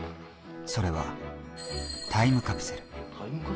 それはタイムカプセル。